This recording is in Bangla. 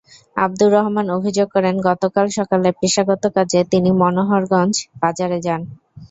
আবদুর রহমান অভিযোগ করেন, গতকাল সকালে পেশাগত কাজে তিনি মনোহরগঞ্জ বাজারে যান।